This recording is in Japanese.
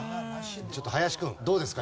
ちょっと林君どうですか？